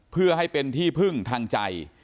เพื่อให้เป็นที่พึ่งทางใจ